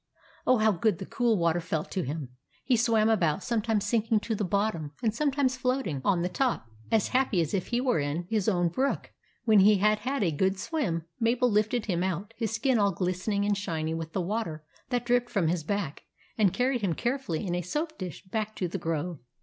Oh, how good the cool water felt to him ! He swam about, sometimes sinking to the bottom, and sometimes float ing on the top, as happy as if he were in 130 THE ADVENTURES OF MABEL his own brook. When he had had a good swim, Mabel lifted him out, his skin all glistening and shiny with the water that dripped from his back, and carried him carefully in a soap dish back to the grove.